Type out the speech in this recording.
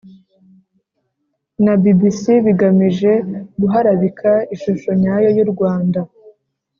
na bbc bigamije guharabika ishusho nyayo y'u rwanda